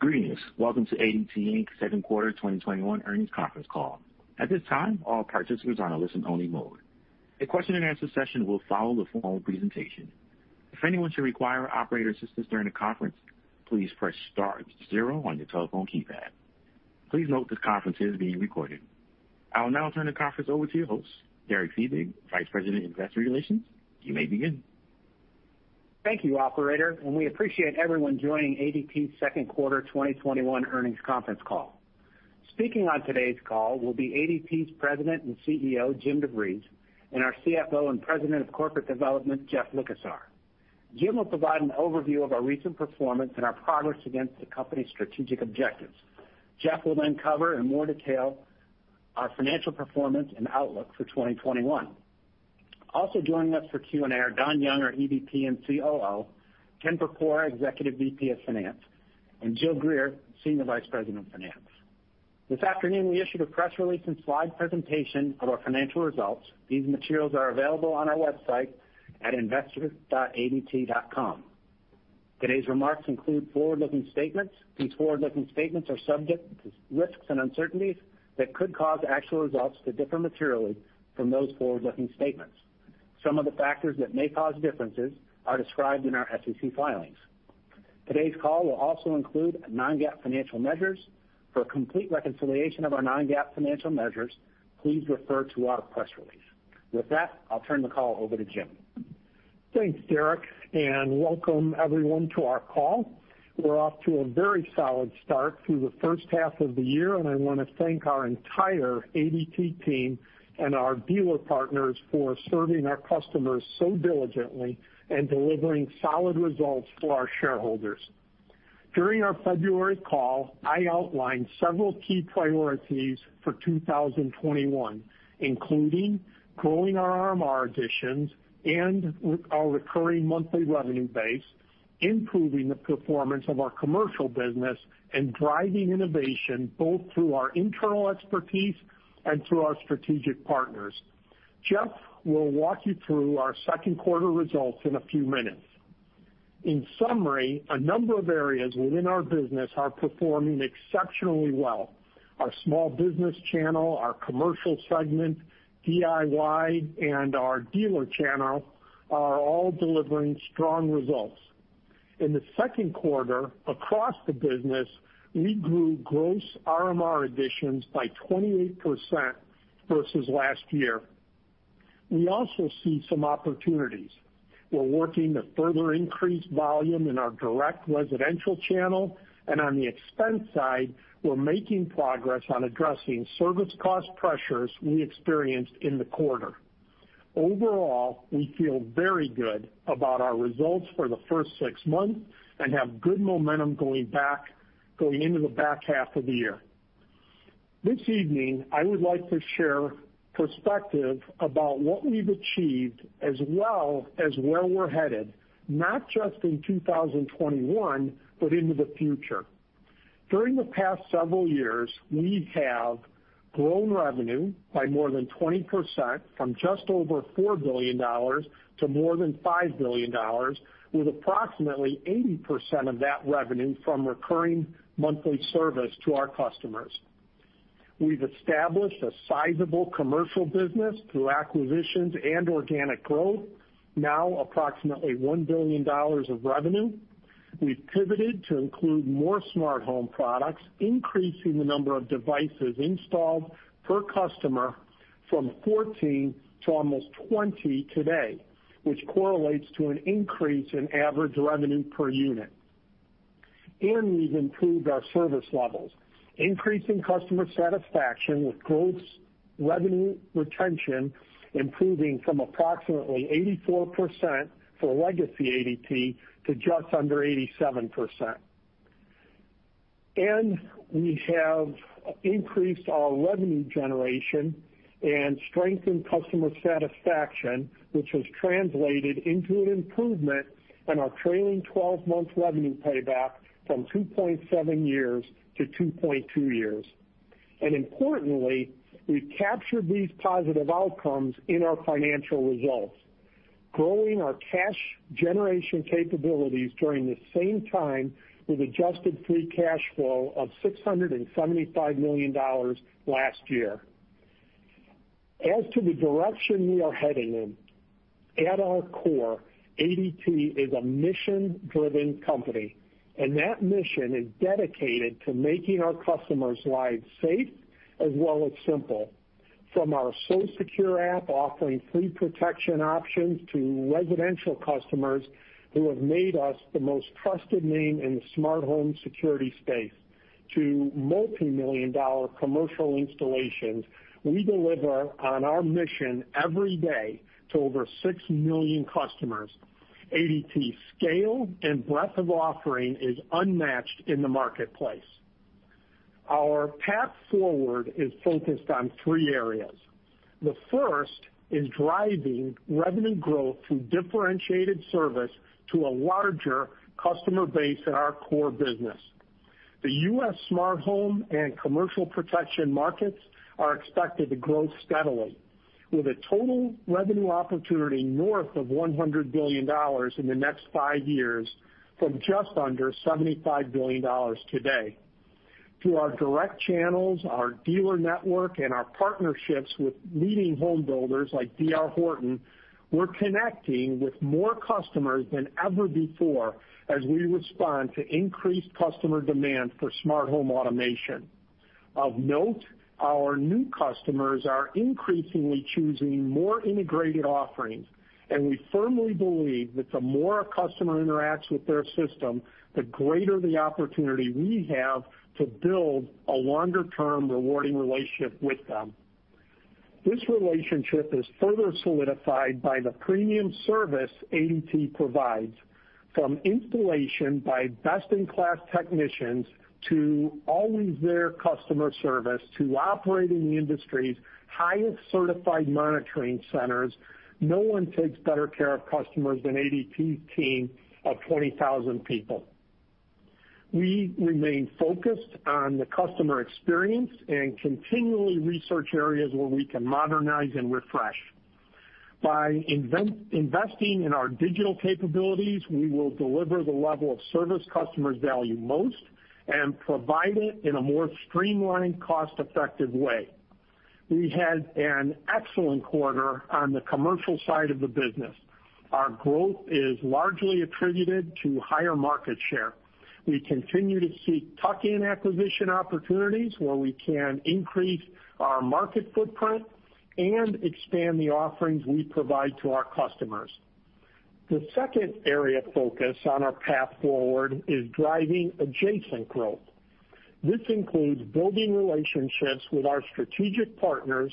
Greetings. Welcome to ADT Inc.'s second quarter 2021 earnings conference call. At this time, all participants are in listen only mode. A question and answer session will follow the formal presentation. If anyone should require operator assistance during the conference, please press star zero on your telephone keypad. Please note this conference is being recorded. I will now turn the conference over to your host, Derek Fiebig, Vice President of Investor Relations. You may begin. Thank you, operator. We appreciate everyone joining ADT's second quarter 2021 earnings conference call. Speaking on today's call will be ADT's President and CEO, Jim DeVries, and our CFO and President of Corporate Development, Jeff Likosar. Jim will provide an overview of our recent performance and our progress against the company's strategic objectives. Jeff will cover in more detail our financial performance and outlook for 2021. Also joining us for Q&A are Don Young, EVP and COO, Ken Porpora, Executive VP of Finance, and Jill Greer, Senior Vice President of Finance. This afternoon, we issued a press release and slide presentation of our financial results. These materials are available on our website at investor.adt.com. Today's remarks include forward-looking statements. These forward-looking statements are subject to risks and uncertainties that could cause actual results to differ materially from those forward-looking statements. Some of the factors that may cause differences are described in our SEC filings. Today's call will also include non-GAAP financial measures. For a complete reconciliation of our non-GAAP financial measures, please refer to our press release. With that, I'll turn the call over to Jim. Thanks, Derek, welcome everyone to our call. We're off to a very solid start through the 1st half of the year, I want to thank our entire ADT team and our dealer partners for serving our customers so diligently and delivering solid results for our shareholders. During our February call, I outlined several key priorities for 2021, including growing our RMR additions and our recurring monthly revenue base, improving the performance of our commercial business, and driving innovation both through our internal expertise and through our strategic partners. Jeff will walk you through our 2nd quarter results in a few minutes. In summary, a number of areas within our business are performing exceptionally well. Our small business channel, our commercial segment, DIY, and our dealer channel are all delivering strong results. In the second quarter, across the business, we grew gross RMR additions by 28% versus last year. We also see some opportunities. We're working to further increase volume in our direct residential channel, and on the expense side, we're making progress on addressing service cost pressures we experienced in the quarter. Overall, we feel very good about our results for the first six months and have good momentum going into the back half of the year. This evening, I would like to share perspective about what we've achieved as well as where we're headed, not just in 2021, but into the future. During the past several years, we have grown revenue by more than 20%, from just over $4 billion to more than $5 billion, with approximately 80% of that revenue from recurring monthly service to our customers. We've established a sizable commercial business through acquisitions and organic growth, now approximately $1 billion of revenue. We've pivoted to include more smart home products, increasing the number of devices installed per customer from 14 to almost 20 today, which correlates to an increase in average revenue per unit. We've improved our service levels, increasing customer satisfaction with gross revenue retention improving from approximately 84% for legacy ADT to just under 87%. We have increased our revenue generation and strengthened customer satisfaction, which has translated into an improvement in our trailing 12-month revenue payback from 2.7 years to 2.2 years. Importantly, we've captured these positive outcomes in our financial results, growing our cash generation capabilities during the same time with adjusted free cash flow of $675 million last year. As to the direction we are heading in, at our core, ADT is a mission-driven company, and that mission is dedicated to making our customers' lives safe as well as simple. From our SoSecure app offering free protection options to residential customers who have made us the most trusted name in the smart home security space to multimillion-dollar commercial installations, we deliver on our mission every day to over 6 million customers. ADT's scale and breadth of offering is unmatched in the marketplace. Our path forward is focused on three areas. The first is driving revenue growth through differentiated service to a larger customer base in our core business. The U.S. smart home and commercial protection markets are expected to grow steadily, with a total revenue opportunity north of $100 billion in the next five years, from just under $75 billion today. Through our direct channels, our dealer network, and our partnerships with leading home builders like D.R. Horton, we're connecting with more customers than ever before as we respond to increased customer demand for smart home automation. Of note, our new customers are increasingly choosing more integrated offerings, we firmly believe that the more a customer interacts with their system, the greater the opportunity we have to build a longer-term rewarding relationship with them. This relationship is further solidified by the premium service ADT provides, from installation by best-in-class technicians to always-there customer service to operating the industry's highest certified monitoring centers. No one takes better care of customers than ADT's team of 20,000 people. We remain focused on the customer experience and continually research areas where we can modernize and refresh. By investing in our digital capabilities, we will deliver the level of service customers value most and provide it in a more streamlined, cost-effective way. We had an excellent quarter on the commercial side of the business. Our growth is largely attributed to higher market share. We continue to seek tuck-in acquisition opportunities where we can increase our market footprint and expand the offerings we provide to our customers. The second area of focus on our path forward is driving adjacent growth. This includes building relationships with our strategic partners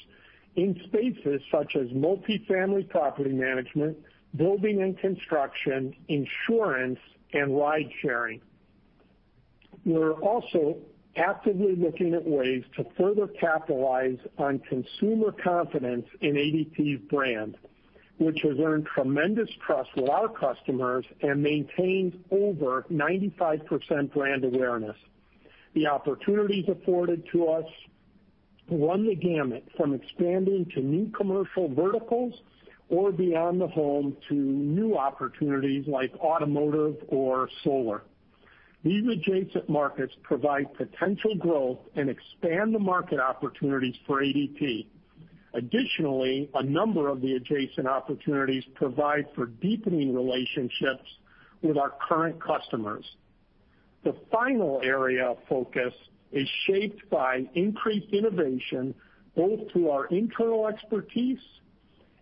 in spaces such as multifamily property management, building and construction, insurance, and ride-sharing. We're also actively looking at ways to further capitalize on consumer confidence in ADT's brand, which has earned tremendous trust with our customers and maintains over 95% brand awareness. The opportunities afforded to us run the gamut from expanding to new commercial verticals or beyond the home to new opportunities like automotive or solar. These adjacent markets provide potential growth and expand the market opportunities for ADT. Additionally, a number of the adjacent opportunities provide for deepening relationships with our current customers. The final area of focus is shaped by increased innovation, both through our internal expertise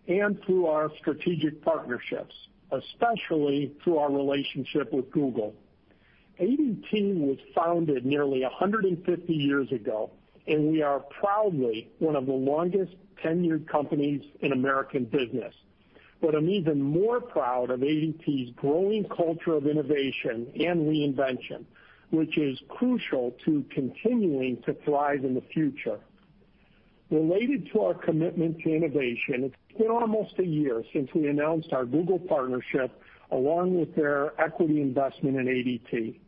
and through our strategic partnerships, especially through our relationship with Google. ADT was founded nearly 150 years ago. We are proudly one of the longest-tenured companies in American business. I'm even more proud of ADT's growing culture of innovation and reinvention, which is crucial to continuing to thrive in the future. Related to our commitment to innovation, it's been almost a year since we announced our Google partnership, along with their equity investment in ADT.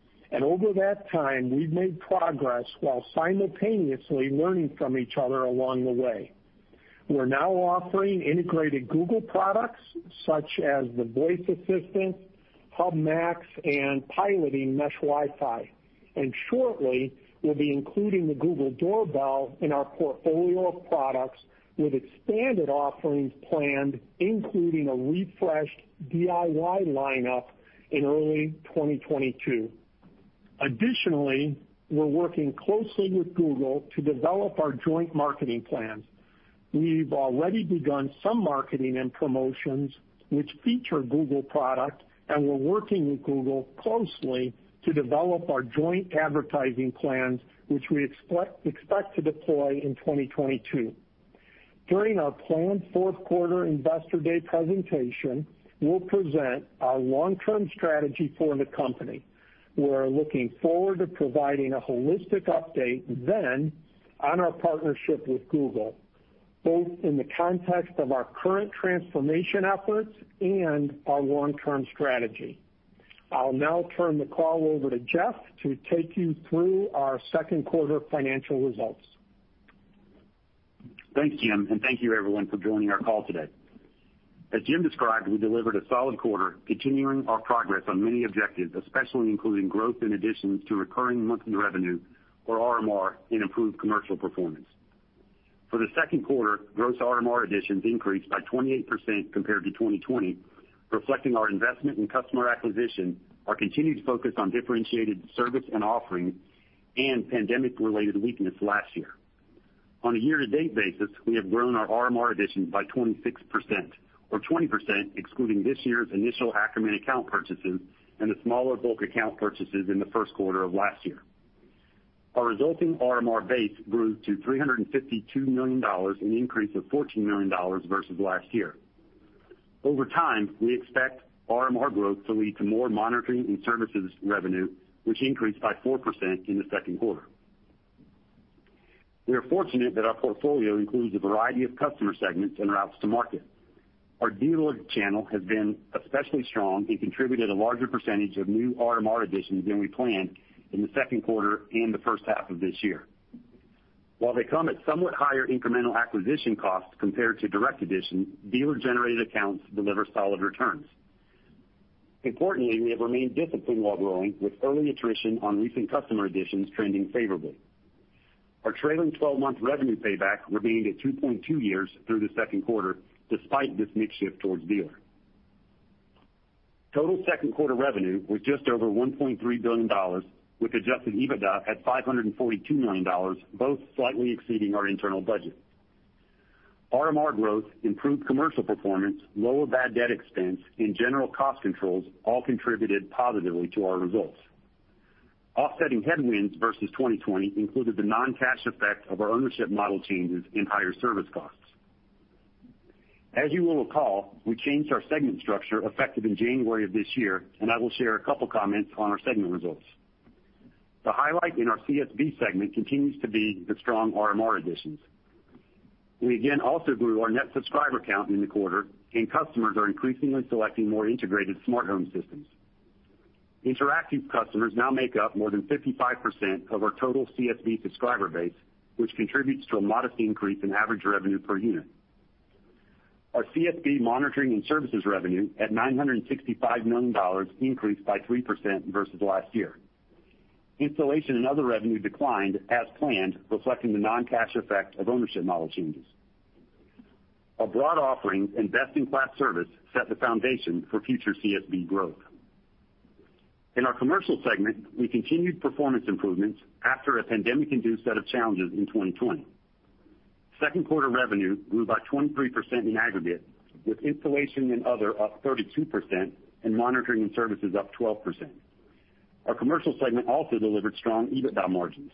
Over that time, we've made progress while simultaneously learning from each other along the way. We're now offering integrated Google products such as the voice assistant, Hub Max, and piloting mesh Wi-Fi. Shortly, we'll be including the Google Doorbell in our portfolio of products with expanded offerings planned, including a refreshed DIY lineup in early 2022. Additionally, we're working closely with Google to develop our joint marketing plans. We've already begun some marketing and promotions which feature Google product, and we're working with Google closely to develop our joint advertising plans, which we expect to deploy in 2022. During our planned fourth quarter Investor Day presentation, we'll present our long-term strategy for the company. We're looking forward to providing a holistic update then on our partnership with Google, both in the context of our current transformation efforts and our long-term strategy. I'll now turn the call over to Jeff to take you through our second quarter financial results. Thanks, Jim, thank you everyone for joining our call today. As Jim described, we delivered a solid quarter, continuing our progress on many objectives, especially including growth in additions to recurring monthly revenue, or RMR, and improved commercial performance. For the second quarter, gross RMR additions increased by 28% compared to 2020, reflecting our investment in customer acquisition, our continued focus on differentiated service and offerings, and pandemic-related weakness last year. On a year-to-date basis, we have grown our RMR additions by 26%, or 20% excluding this year's initial Ackerman account purchases and the smaller bulk account purchases in the first quarter of last year. Our resulting RMR base grew to $352 million, an increase of $14 million versus last year. Over time, we expect RMR growth to lead to more monitoring and services revenue, which increased by 4% in the second quarter. We are fortunate that our portfolio includes a variety of customer segments and routes to market. Our dealer channel has been especially strong and contributed a larger percentage of new RMR additions than we planned in the second quarter and the first half of this year. While they come at somewhat higher incremental acquisition costs compared to direct additions, dealer-generated accounts deliver solid returns. Importantly, we have remained disciplined while growing, with early attrition on recent customer additions trending favorably. Our trailing 12-month revenue payback remained at 2.2 years through the second quarter, despite this mix shift towards dealer. Total second quarter revenue was just over $1.3 billion, with adjusted EBITDA at $542 million, both slightly exceeding our internal budget. RMR growth, improved commercial performance, lower bad debt expense, and general cost controls all contributed positively to our results. Offsetting headwinds versus 2020 included the non-cash effect of our ownership model changes and higher service costs. As you will recall, we changed our segment structure effective in January of this year, I will share a couple of comments on our segment results. The highlight in our CSB segment continues to be the strong RMR additions. We again also grew our net subscriber count in the quarter, and customers are increasingly selecting more integrated smart home systems. Interactive customers now make up more than 55% of our total CSB subscriber base, which contributes to a modest increase in average revenue per unit. Our CSB monitoring and services revenue, at $965 million, increased by 3% versus last year. Installation and other revenue declined as planned, reflecting the non-cash effect of ownership model changes. Our broad offerings and best-in-class service set the foundation for future CSB growth. In our commercial segment, we continued performance improvements after a pandemic-induced set of challenges in 2020. Second quarter revenue grew by 23% in aggregate, with installation and other up 32% and monitoring and services up 12%. Our commercial segment also delivered strong EBITDA margins.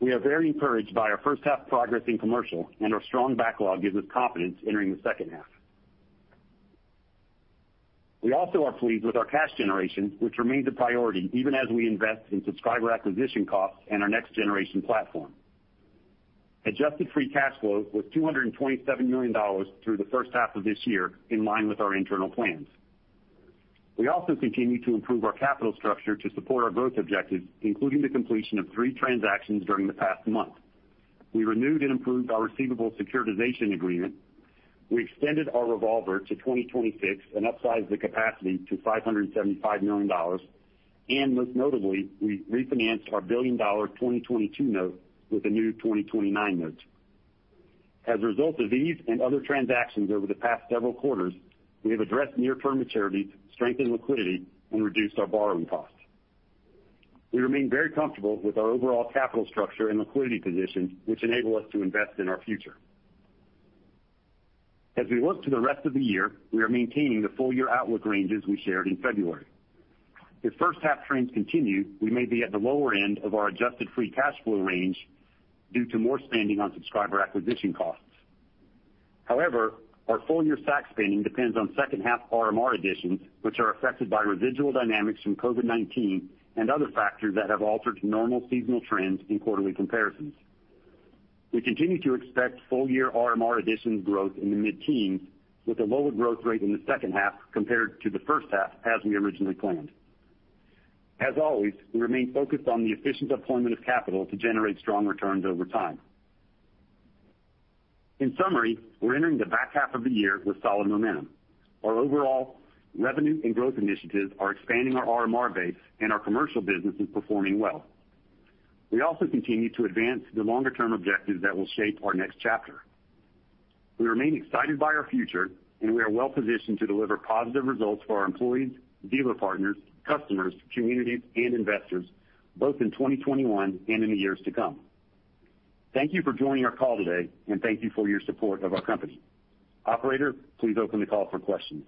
We are very encouraged by our first half progress in commercial, and our strong backlog gives us confidence entering the second half. We also are pleased with our cash generation, which remains a priority even as we invest in subscriber acquisition costs and our next-generation platform. Adjusted free cash flow was $227 million through the first half of this year, in line with our internal plans. We also continue to improve our capital structure to support our growth objectives, including the completion of three transactions during the past month. We renewed and improved our receivable securitization agreement, we extended our revolver to 2026 and upsized the capacity to $575 million, and most notably, we refinanced our $1 billion 2022 note with a new 2029 note. As a result of these and other transactions over the past several quarters, we have addressed near-term maturities, strengthened liquidity, and reduced our borrowing costs. We remain very comfortable with our overall capital structure and liquidity position, which enable us to invest in our future. As we look to the rest of the year, we are maintaining the full-year outlook ranges we shared in February. If first half trends continue, we may be at the lower end of our adjusted free cash flow range due to more spending on subscriber acquisition costs. However, our full-year SAC spending depends on second half RMR additions, which are affected by residual dynamics from COVID-19 and other factors that have altered normal seasonal trends and quarterly comparisons. We continue to expect full-year RMR additions growth in the mid-teens with a lower growth rate in the second half compared to the first half as we originally planned. As always, we remain focused on the efficient deployment of capital to generate strong returns over time. In summary, we're entering the back half of the year with solid momentum. Our overall revenue and growth initiatives are expanding our RMR base, and our commercial business is performing well. We also continue to advance the longer-term objectives that will shape our next chapter. We remain excited by our future, and we are well-positioned to deliver positive results for our employees, dealer partners, customers, communities, and investors, both in 2021 and in the years to come. Thank you for joining our call today, and thank you for your support of our company. Operator, please open the call for questions.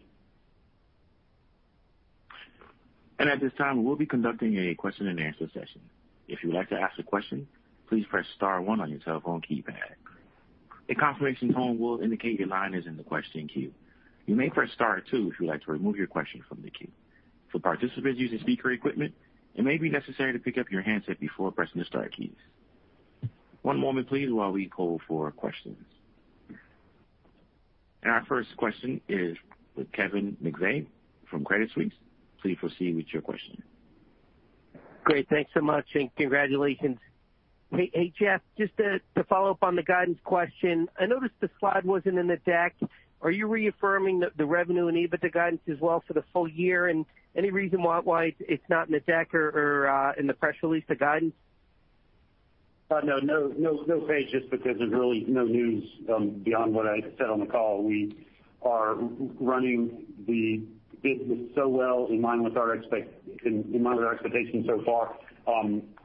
At this time, we'll be conducting a question and answer session. One moment, please, while we call for questions. Our first question is with Kevin McVeigh from Credit Suisse. Please proceed with your question. Great. Thanks so much, and congratulations. Hey, Jeff, just to follow up on the guidance question. I noticed the slide wasn't in the deck. Are you reaffirming the revenue and EBITDA guidance as well for the full year? Any reason why it's not in the deck or in the press release, the guidance? No, no page just because there's really no news beyond what I said on the call. We are running the business so well in line with our expectations so far.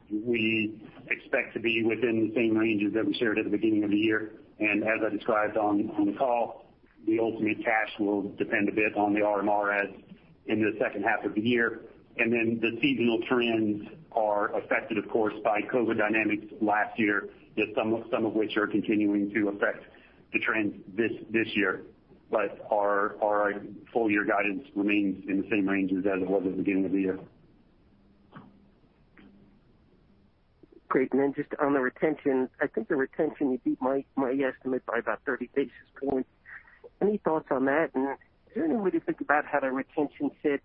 We expect to be within the same ranges that we shared at the beginning of the year. As I described on the call, the ultimate cash will depend a bit on the RMR as in the second half of the year. Then the seasonal trends are affected, of course, by COVID dynamics last year, some of which are continuing to affect the trends this year. Our full-year guidance remains in the same ranges as it was at the beginning of the year. Great. Then just on the retention, I think the retention, you beat my estimate by about 30 basis points. Any thoughts on that? Is there any way to think about how the retention fits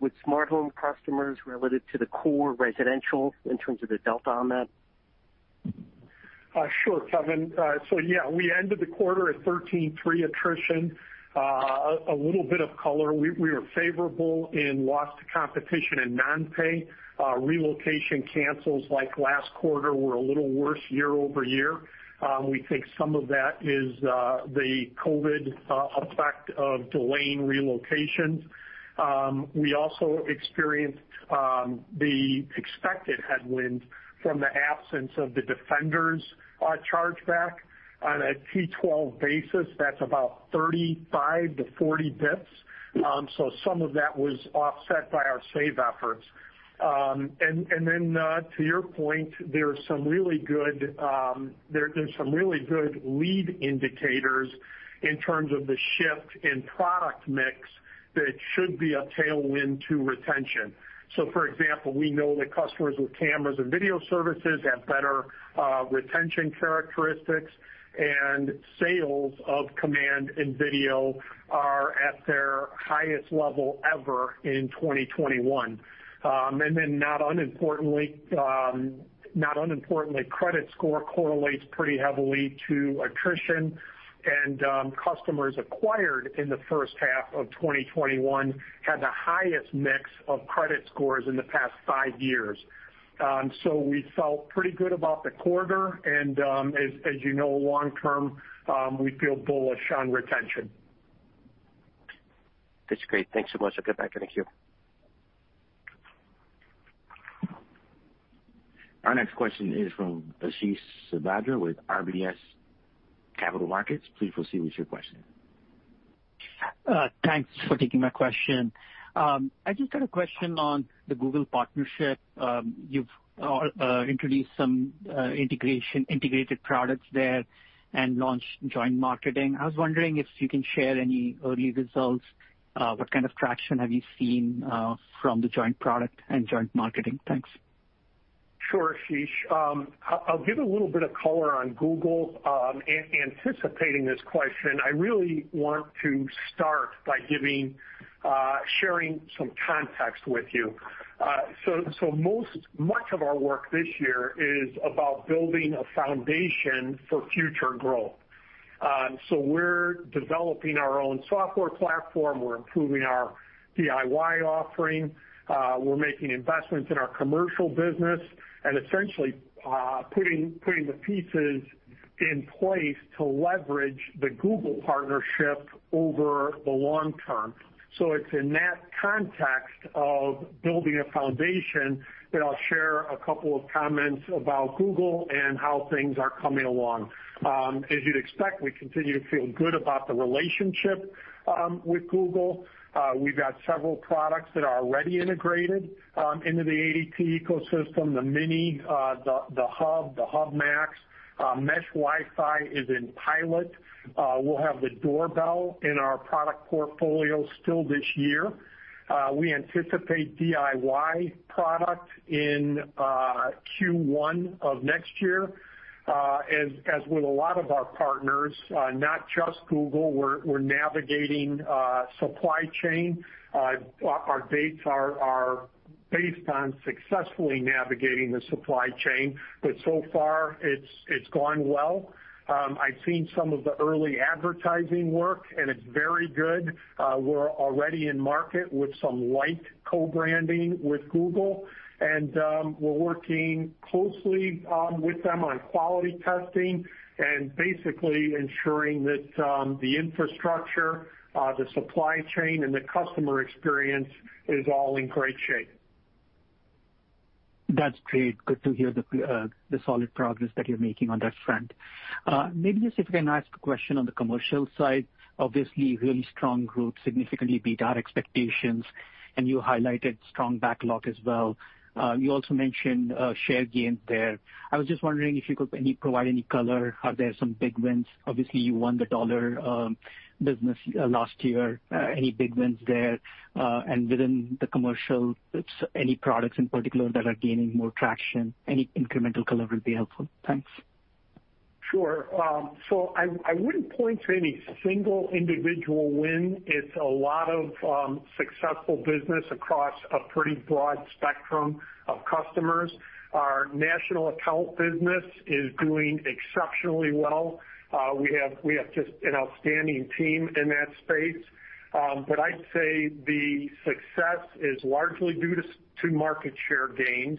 with smart home customers related to the core residential in terms of the delta on that? Sure, Kevin. Yeah, we ended the quarter at 13.3 attrition. A little bit of color, we were favorable in loss to competition and non-pay. Relocation cancels like last quarter were a little worse year-over-year. We think some of that is the COVID effect of delaying relocations. We also experienced the expected headwind from the absence of the Defenders chargeback. On a T12 basis, that's about 35-40 bps. Some of that was offset by our save efforts. To your point, there's some really good lead indicators in terms of the shift in product mix that should be a tailwind to retention. For example, we know that customers with cameras and video services have better retention characteristics, and sales of Command and video are at their highest level ever in 2021. Not unimportantly, credit score correlates pretty heavily to attrition. Customers acquired in the first half of 2021 had the highest mix of credit scores in the past five years. We felt pretty good about the quarter and, as you know, long term, we feel bullish on retention. That's great. Thanks so much, I'm going back to the queue. Our next question is from Ashish Sabadra with RBC Capital Markets. Please proceed with your question. Thanks for taking my question. I just had a question on the Google partnership. You've introduced some integrated products there and launched joint marketing. I was wondering if you can share any early results. What kind of traction have you seen from the joint product and joint marketing? Thanks. Sure, Ashish. I'll give a little bit of color on Google. Anticipating this question, I really want to start by sharing some context with you. Much of our work this year is about building a foundation for future growth. We're developing our own software platform. We're improving our DIY offering. We're making investments in our commercial business and essentially putting the pieces in place to leverage the Google partnership over the long term. It's in that context of building a foundation that I'll share a couple of comments about Google and how things are coming along. As you'd expect, we continue to feel good about the relationship with Google. We've got several products that are already integrated into the ADT ecosystem, the Mini, the Hub, the Hub Max. Mesh Wi-Fi is in pilot. We'll have the Doorbell in our product portfolio still this year. We anticipate DIY product in Q1 of next year. As with a lot of our partners, not just Google, we're navigating supply chain. Our dates are based on successfully navigating the supply chain, but so far it's going well. I've seen some of the early advertising work, and it's very good. We're already in market with some light co-branding with Google, and we're working closely with them on quality testing and basically ensuring that the infrastructure, the supply chain, and the customer experience is all in great shape. That's great. Good to hear the solid progress that you're making on that front. Maybe just if we can ask a question on the commercial side, obviously really strong group, significantly beat our expectations, and you highlighted strong backlog as well. You also mentioned share gains there. I was just wondering if you could provide any color. Are there some big wins? Obviously, you won the dollar business last year. Any big wins there? Within the commercial, any products in particular that are gaining more traction? Any incremental color would be helpful. Thanks. Sure. I wouldn't point to any single individual win. It's a lot of successful business across a pretty broad spectrum of customers. Our national account business is doing exceptionally well. We have just an outstanding team in that space. I'd say the success is largely due to market share gains,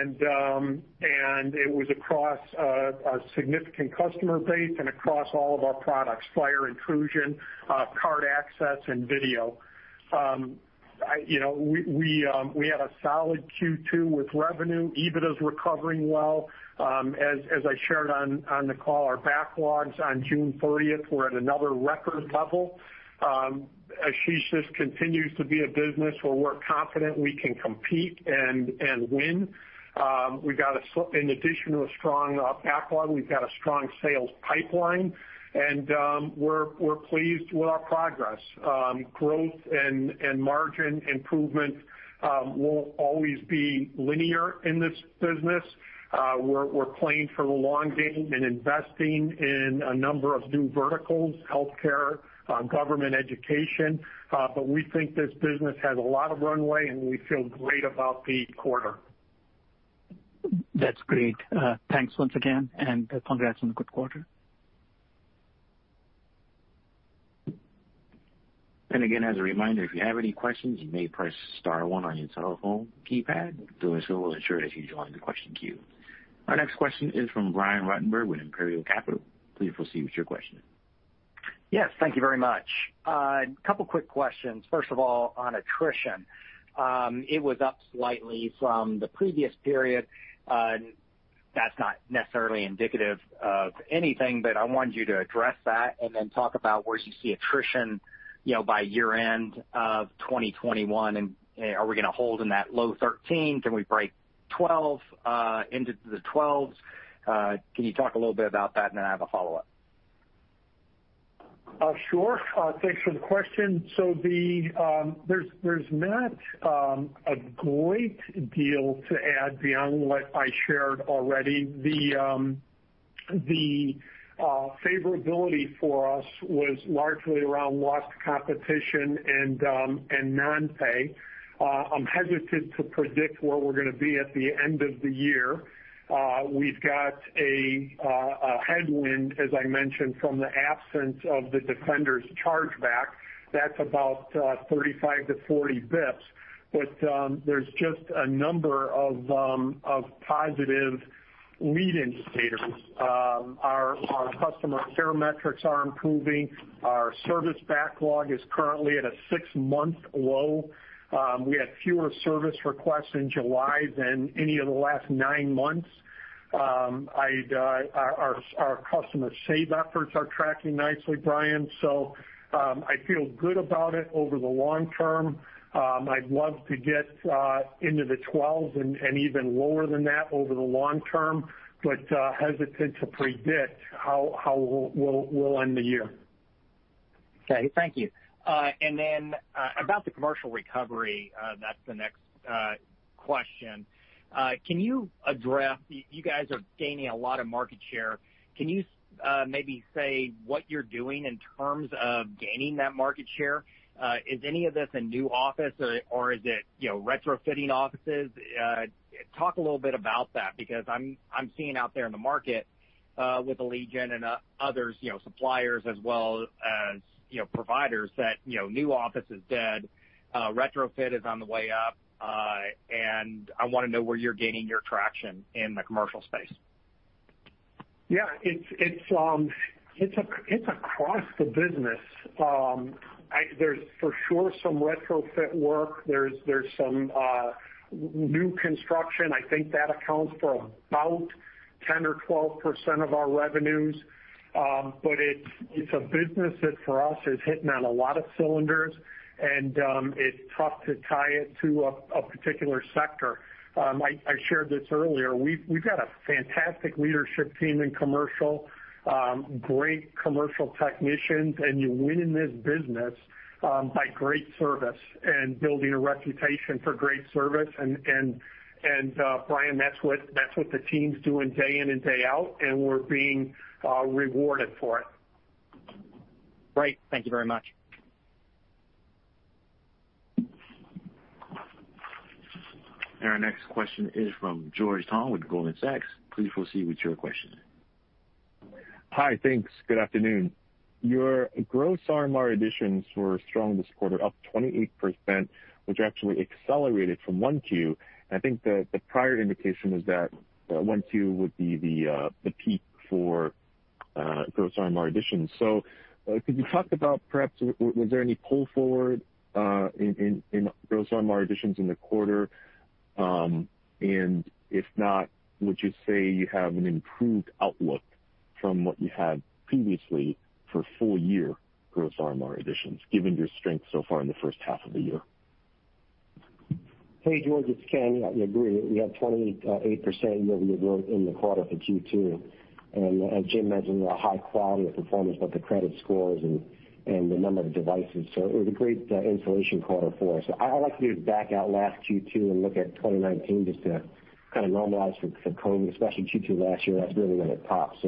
and it was across a significant customer base and across all of our products, fire intrusion, card access, and video. We had a solid Q2 with revenue. EBIT is recovering well. As I shared on the call, our backlogs on June 30th were at another record level. Ashish, this continues to be a business where we're confident we can compete and win. In addition to a strong backlog, we've got a strong sales pipeline, and we're pleased with our progress. Growth and margin improvement won't always be linear in this business. We're playing for the long game and investing in a number of new verticals, healthcare, government, education. We think this business has a lot of runway, and we feel great about the quarter. That's great. Thanks once again. Congrats on the good quarter. Again, as a reminder, if you have any questions, you may press star one on your telephone keypad. Doing so will ensure that you join the question queue. Our next question is from Brian Ruttenbur with Imperial Capital. Please proceed with your question. Yes. Thank you very much. A couple of quick questions. First of all, on attrition. It was up slightly from the previous period. That's not necessarily indicative of anything, but I wanted you to address that and then talk about where do you see attrition by year-end of 2021, and are we going to hold in that low 13%? Can we break into the 12%? Can you talk a little bit about that? I have a follow-up. Sure. Thanks for the question. There's not a great deal to add beyond what I shared already. The favorability for us was largely around lost competition and non-pay. I'm hesitant to predict where we're going to be at the end of the year. We've got a headwind, as I mentioned, from the absence of the Defenders charge back. That's about 35-40 bps. There's just a number of positive lead indicators. Our customer care metrics are improving. Our service backlog is currently at a six-month low. We had fewer service requests in July than any of the last nine months. Our customer save efforts are tracking nicely, Brian. I feel good about it over the long term. I'd love to get into the 12% and even lower than that over the long term, hesitant to predict how we'll end the year. Okay. Thank you. About the commercial recovery, that's the next question. You guys are gaining a lot of market share. Can you maybe say what you're doing in terms of gaining that market share? Is any of this a new office, or is it retrofitting offices? Talk a little bit about that, because I'm seeing out there in the market, with Allegion and others, suppliers as well as providers that new office is dead. Retrofit is on the way up. I want to know where you're gaining your traction in the commercial space. Yeah. It's across the business. There's for sure some retrofit work. There's some new construction. I think that accounts for about 10% or 12% of our revenues. It's a business that for us is hitting on a lot of cylinders, and it's tough to tie it to a particular sector. I shared this earlier. We've got a fantastic leadership team in commercial, great commercial technicians, and you win in this business by great service and building a reputation for great service. Brian, that's what the team's doing day in and day out, and we're being rewarded for it. Great. Thank you very much. Our next question is from George Tong with Goldman Sachs. Please proceed with your question. Hi. Thanks. Good afternoon. Your gross RMR additions were strong this quarter, up 28%, which actually accelerated from 1Q. I think that the prior indication was that 1Q would be the peak for gross RMR additions. Could you talk about, perhaps, was there any pull forward in gross RMR additions in the quarter? And if not, would you say you have an improved outlook from what you had previously for full-year gross RMR additions, given your strength so far in the first half of the year? Hey, George. It's Ken. I agree. We had 28% year-over-year growth in the quarter for Q2. As Jim mentioned, a high quality of performance with the credit scores and the number of devices. It was a great installation quarter for us. I like to back out last Q2 and look at 2019 just to kind of normalize for COVID, especially Q2 last year. That's really when it popped.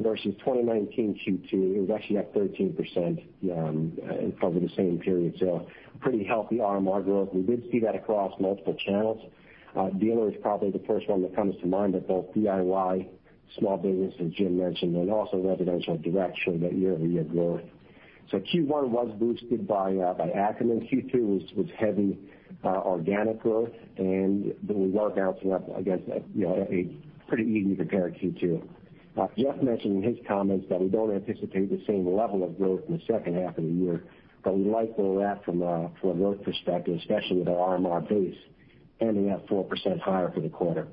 Versus 2019 Q2, it was actually up 13% over the same period. Pretty healthy RMR growth. We did see that across multiple channels. Dealer is probably the first one that comes to mind, but both DIY, small business, as Jim mentioned, and also residential direct showed that year-over-year growth. Q1 was boosted by Ackerman. Q2 was heavy. Organic growth the work outs we have, I guess, a pretty easy compare Q2. Jeff mentioned in his comments that we don't anticipate the same level of growth in the second half of the year, but we like where we're at from a growth perspective, especially with our RMR base ending up 4% higher for the quarter.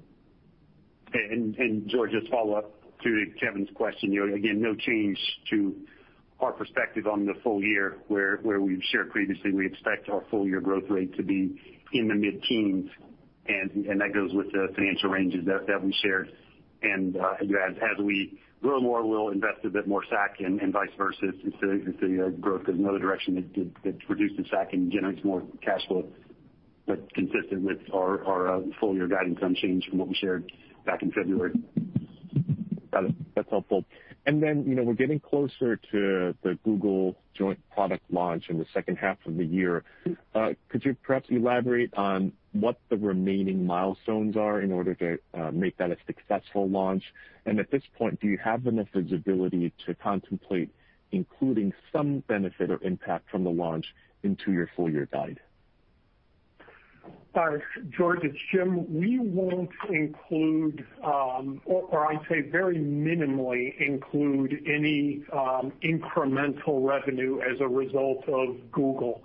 Okay, George, just follow up to Kevin's question. Again, no change to our perspective on the full-year, where we've shared previously, we expect our full-year growth rate to be in the mid-teens, and that goes with the financial ranges that we shared. As we grow more, we'll invest a bit more SAC and vice versa if the growth goes in another direction that reduces SAC and generates more cash flow that's consistent with our full-year guidance, unchanged from what we shared back in February. Got it. That's helpful. We're getting closer to the Google joint product launch in the second half of the year. Could you perhaps elaborate on what the remaining milestones are in order to make that a successful launch? At this point, do you have enough visibility to contemplate including some benefit or impact from the launch into your full year guide? George, it's Jim. We won't include or I'd say very minimally include any incremental revenue as a result of Google.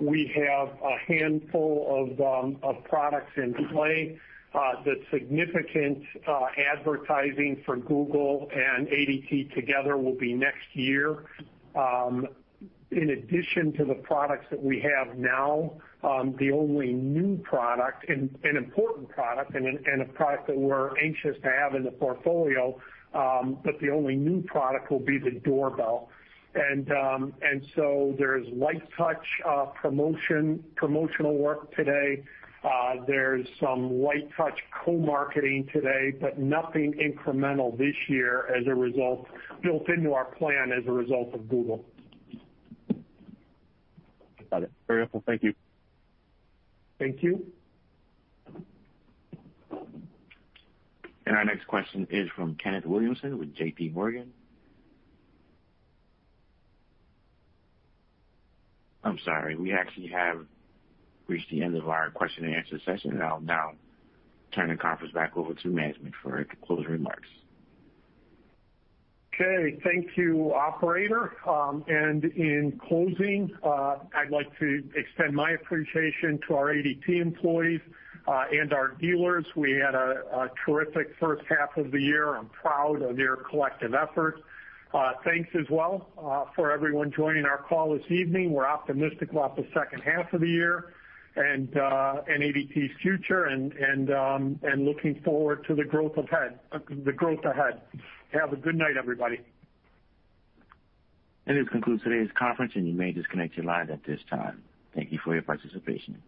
We have a handful of products in play. The significant advertising for Google and ADT together will be next year. In addition to the products that we have now, the only new product, an important product and a product that we're anxious to have in the portfolio, but the only new product will be the Doorbell. So there's light touch promotional work today. There's some light touch co-marketing today, but nothing incremental this year as a result built into our plan as a result of Google. Got it. Very helpful. Thank you. Thank you. Our next question is from Kenneth Williamson with JPMorgan. I'm sorry, we actually have reached the end of our question and answer session. I'll now turn the conference back over to management for closing remarks. Okay. Thank you, operator. In closing, I'd like to extend my appreciation to our ADT employees and our dealers. We had a terrific first half of the year. I'm proud of their collective effort. Thanks as well for everyone joining our call this evening. We're optimistic about the second half of the year and ADT's future and looking forward to the growth ahead. Have a good night, everybody. This concludes today's conference, and you may disconnect your line at this time. Thank you for your participation.